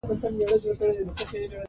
په افغانستان کې د پکتیکا تاریخ اوږد دی.